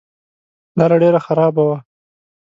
لاره ډېره خرابه وه.